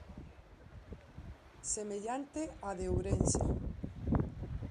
Semellante á de Ourense.